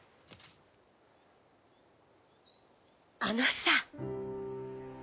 あのさ